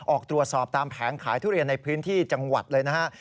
ออกตรวจสอบตามแผงขายทุเรียนในพื้นที่จังหวัดเลยนะฮะ